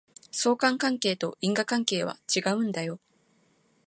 相関関係と因果関係は違うんだよ